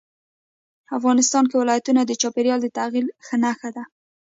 افغانستان کې ولایتونه د چاپېریال د تغیر نښه ده.